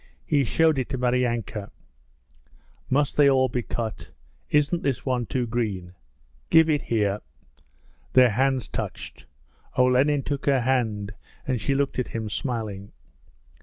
He showed it to Maryanka. 'Must they all be cut? Isn't this one too green?' 'Give it here.' Their hands touched. Olenin took her hand, and she looked at him smiling.